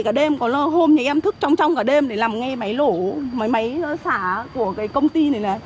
cả đêm còn là hôm nhà em thức trong trong cả đêm để làm ngay máy lổ máy máy xả của công ty này này